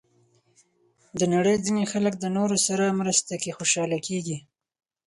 د نړۍ ځینې خلک د نورو سره مرسته کې خوشحاله کېږي.